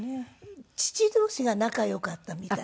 父同士が仲良かったみたいで。